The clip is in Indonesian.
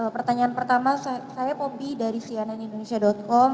pertanyaan pertama saya pobi dari sianan indonesia com